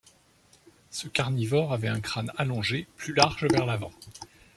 Ce carnivore avait un crâne allongé, plus large vers l'avant.